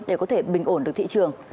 để có thể bình ổn được thị trường